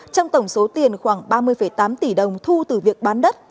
trong tổng số tiền khoảng ba mươi tám tỷ đồng thu từ việc bán đất